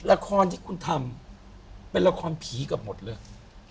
ละครที่คุณทำเป็นละครผีเกือบหมดเลย